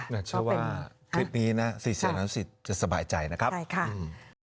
อยากเชื่อว่าคลิปนี้สิทธิ์เสียงน้ำสิทธิ์จะสบายใจนะครับ